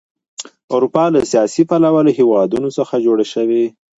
اروپا له سیاسي پلوه له هېوادونو څخه جوړه شوې.